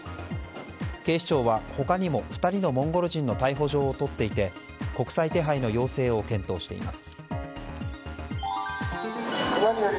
警視庁は他にも２人のモンゴル人の逮捕状を取っていて国際手配の要請を検討しています。